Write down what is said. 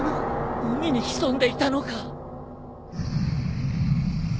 海に潜んでいたのか。